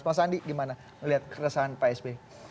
mas andi gimana melihat keresahan pak s b